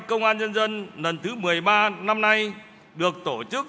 công an nhân dân lần thứ một mươi ba năm nay được tổ chức